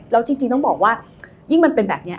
แล้วจริงต้องบอกว่ายิ่งมันเป็นแบบนี้